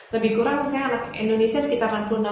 lebih kurang misalnya anak indonesia sekitar enam puluh enam